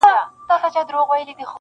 • نه پوهیږي چي دی څوک دی د کوم قام دی -